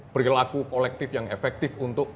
perilaku kolektif yang efektif untuk